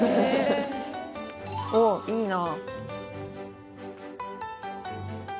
おぉいいな。